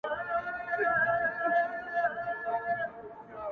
هغه د ساه کښلو لپاره جادوگري غواړي؛